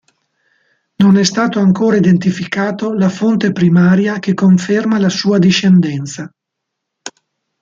Non è stato ancora identificata la fonte primaria che conferma la sua discendenza.